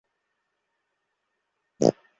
তার বাবা সামনে উপস্থিত!